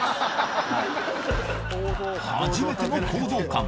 初めての講道館